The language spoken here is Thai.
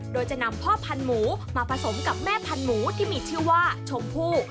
โดยจะนำพ่อพันธุ์หมูมาผสมกับแม่พันหมูที่มีชื่อว่าชมพู่